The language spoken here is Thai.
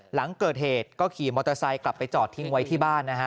หลังเกิดเหตุก็ขี่มอเตอร์ไซค์กลับไปจอดทิ้งไว้ที่บ้านนะฮะ